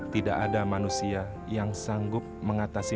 tidak ada manusia yang sanggup mengatasi